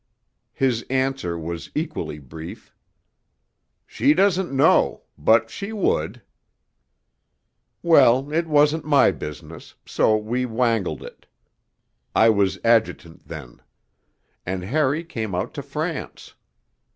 His answer was equally brief: 'She doesn't know, but she would.' Well, it wasn't my business, so we 'wangled' it (I was adjutant then), and Harry came out to France.